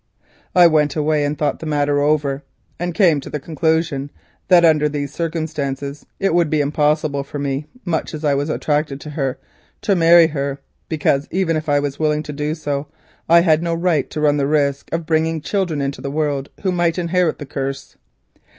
"I went away and thought the matter over, and came to the conclusion that under these circumstances it would be impossible for me, much as I was attached to your aunt, to marry her, because even if I were willing to do so, I had no right to run the risk of bringing children into the world who might inherit the curse.